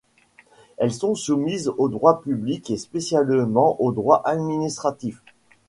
Elles sont soumises au droit public et spécialement au droit administratif.